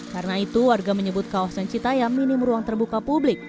karena itu warga menyebut kawasan citaiam ini meruang terbuka publik